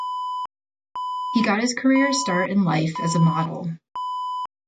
He got his career start in life as a model.